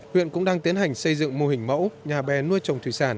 huyện cũng đang tiến hành xây dựng mô hình mẫu nhà bè nuôi trồng thủy sản